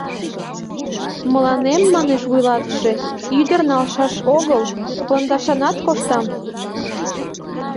— Мыланем, — манеш вуйлатыше, — ӱдыр налшаш огыл, пондашанат коштам...